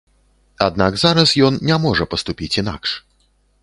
Аднак зараз ён не можа паступіць інакш.